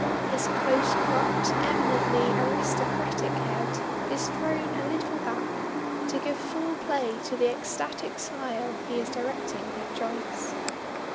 His close cropped eminently aristocratic head is thrown a little back, to give full play to the ecstatic smile he is directing at Joyce.